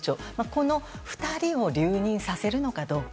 この２人を留任させるのかどうか。